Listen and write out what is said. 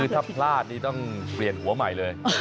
ถ้าพลาดนี่ต้องเปลี่ยนหัวใหม่เลย